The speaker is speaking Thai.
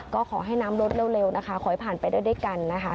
ก็ขอให้น้ำลดเร็วนะคะขอให้ผ่านไปด้วยกันนะคะ